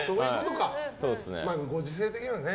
ご時世的にもね。